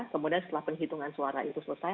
kemudian setelah penghitungan suara itu selesai